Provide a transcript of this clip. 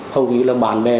hầu như là bạn bè